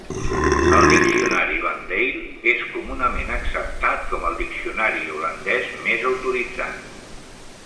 El diccionari Van Dale és comunament acceptat com el diccionari holandès més autoritzat.